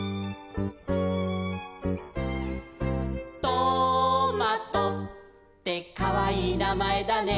「トマトってかわいいなまえだね」